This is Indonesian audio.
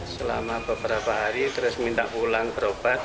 selama beberapa hari terus minta pulang berobat